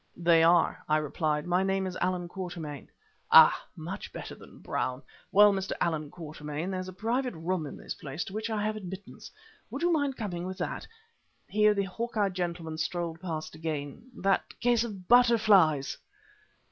"They are," I replied, "my name is Allan Quatermain." "Ah! much better than Brown. Well, Mr. Allan Quatermain, there's a private room in this place to which I have admittance. Would you mind coming with that " here the hawk eyed gentleman strolled past again, "that case of butterflies?"